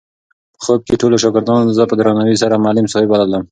په خوب کې ټولو شاګردانو زه په درناوي سره معلم صاحب بللم.